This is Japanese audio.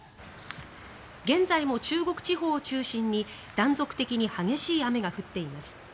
現在も中国地方を中心に断続的に激しい雨が降っています。